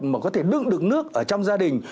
mà có thể đựng được nước ở trong gia đình